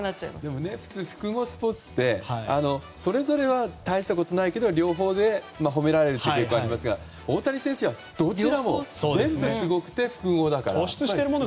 でも、普通複合スポーツってそれぞれは大したことないけど両方で褒められるということはありますが大谷選手はどちらも全部すごくて複合だから。